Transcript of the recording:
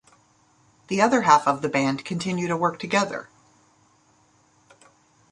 The other half of the band continue to work together.